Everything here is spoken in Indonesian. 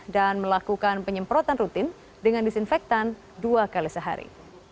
dan melakukan penyemprotan rutin dengan disinfektan dua kali sehari